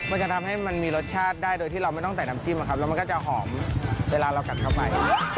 มันจะทำให้มันมีรสชาติได้โดยที่เราไม่ต้องใส่น้ำจิ้มอะครับแล้วมันก็จะหอมเวลาเรากัดเข้าไป